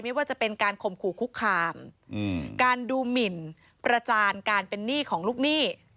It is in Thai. ว่าจะเป็นการข่มขู่คุกคามการดูหมินประจานการเป็นหนี้ของลูกหนี้